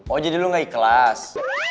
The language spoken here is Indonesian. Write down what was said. oh jadi lu gak ikhlas